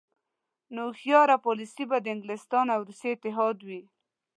نو هوښیاره پالیسي به د انګلستان او روسیې اتحاد وي.